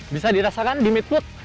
bisa dirasakan di mid foot